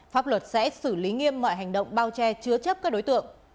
pháp luật sẽ xử lý nghiêm mọi hành động bao che chứa chấp các đối tượng